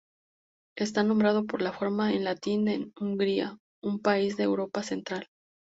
Está nombrado por la forma en latín de Hungría, un país de Europa central.